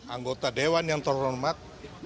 anggota dewan yang terhormat